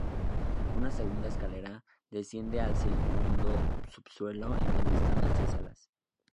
Una segunda escalera desciende al segundo subsuelo, en donde están las tres salas.